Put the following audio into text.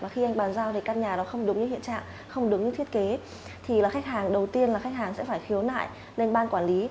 không đúng như thiết kế thì là khách hàng đầu tiên là khách hàng sẽ phải khiếu nại lên ban quản lý